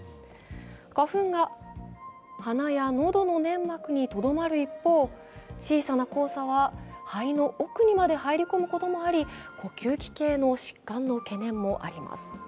花粉が鼻や喉の粘膜にとどまる一方、小さな黄砂は肺の奥にまで入り込むこともあり呼吸器系の疾患の懸念もあります。